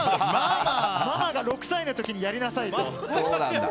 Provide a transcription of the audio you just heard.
ママが６歳の時にやりなさいと。